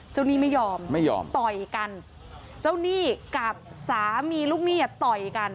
หนี้ไม่ยอมไม่ยอมต่อยกันเจ้าหนี้กับสามีลูกหนี้ต่อยกัน